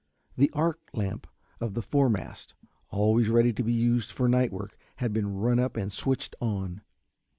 The arc lamp of the fore mast, always ready to be used for night work, had been run up and switched on.